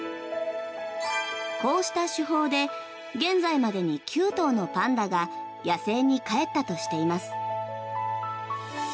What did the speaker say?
こうした手法で現在までに９頭のパンダが野性に返ったとしています。